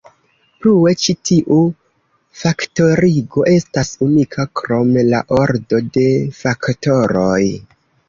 Plue ĉi tiu faktorigo estas unika krom la ordo de faktoroj.